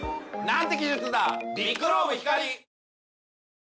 ん？